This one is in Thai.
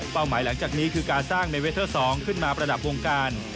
หมายหลังจากนี้คือการสร้างเมเทอร์๒ขึ้นมาประดับวงการ